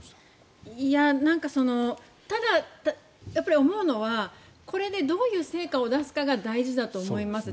ただ、思うのはこれでどういう成果を出すかが大事だと思います。